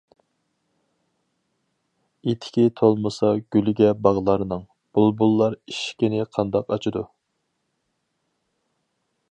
ئېتىكى تولمىسا گۈلگە باغلارنىڭ، بۇلبۇللار ئىشىكنى قانداق ئاچىدۇ.